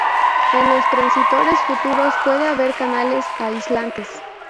En los transistores futuros puede haber canales aislantes.